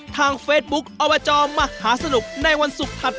การออกอากาศนะครับ